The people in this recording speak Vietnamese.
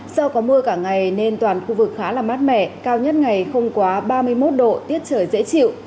do có mưa cả ngày nên toàn khu vực khá là mát mẻ cao nhất ngày không quá ba mươi một độ tiết trời dễ chịu